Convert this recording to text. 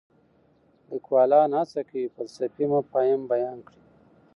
لیکوالان هڅه کوي فلسفي مفاهیم بیان کړي.